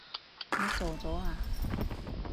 你傻咗呀？